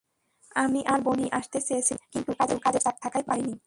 আমি আর বনি আসতে চেয়েছিলাম, কিন্তু কাজের চাপ থাকায় পারিনি।